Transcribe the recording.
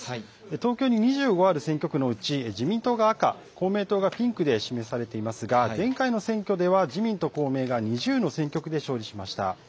東京に２５ある選挙区のうち自民党が赤、公明党がピンクで示されていますが前回の選挙では自民と公明が２０の選挙区で勝利しました。